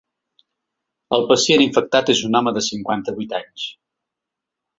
El pacient infectat és un home de cinquanta-vuit anys.